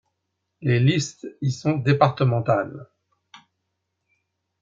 Les listes y sont départementales.